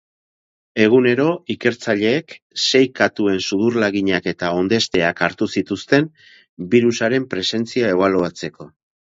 Egunero, ikertzaileek sei katuen sudur-laginak eta ondesteak hartu zituzten birusaren presentzia ebaluatzeko.